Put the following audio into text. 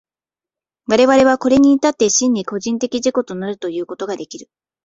我々はこれに至って真に個人的自己となるということができる。